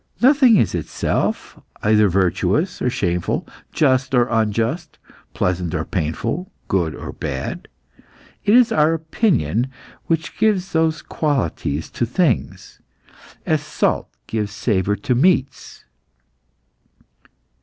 Nothing is itself, either virtuous or shameful, just or unjust, pleasant or painful, good or bad. It is our opinion which gives those qualities to things, as salt gives savour to meats."